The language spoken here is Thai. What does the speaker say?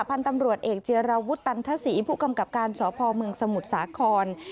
พันธุ์ตำรวจเอกเจราวุฒตันทศรีผู้กำกับการสพเมืองสมุทรสาคร